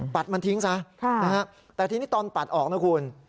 มันทิ้งซะแต่ทีนี้ตอนปัดออกนะคุณ